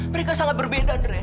mereka sangat berbeda ndrei